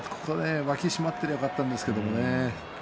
脇が締まっていればよかったんですけれどもね。